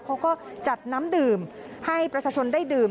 เขาก็จัดน้ำดื่มให้ประชาชนได้ดื่ม